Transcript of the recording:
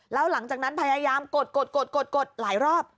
แล้วหลังจากนั้นพยายามกดหลายรอบ